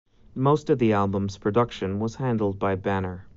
Most of the album's production was handled by Banner.